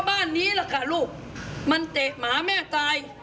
อ๋อก็บ้านนี้แหละก็ลูกมันเตะหมาแม่ใจ